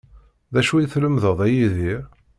D acu i tlemdeḍ a Yidir?